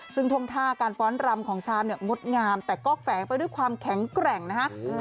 ซึ่งธงทาการฟ้อนรำของชามมดงามแต่กล้อกแฝนก์ไปด้วยความแข็งแกร่งนะคะ